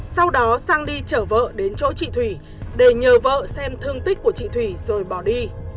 sau đó sang đi chở vợ đến chỗ chị thủy để nhờ vợ xem thương tích của chị thủy rồi bỏ đi